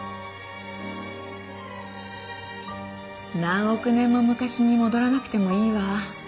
何億年も昔に戻らなくてもいいわ。